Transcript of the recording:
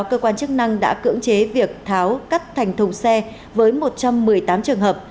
cơ quan chức năng đã cưỡng chế việc tháo cắt thành thùng xe với một trăm một mươi tám trường hợp